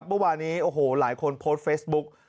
เมื่อวานนี้โอ้โหหลายคนโพสต์เฟซบุ๊ก